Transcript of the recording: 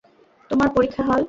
তোমার পরীক্ষা হল।